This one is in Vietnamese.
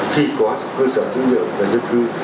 khi có cơ sở dữ liệu về dân cư